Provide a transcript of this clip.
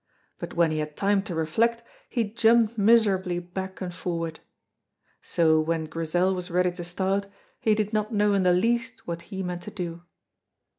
But when he had time to reflect, he jumped miserably back and forward. So when Grizel was ready to start, he did not know in the least what he meant to do.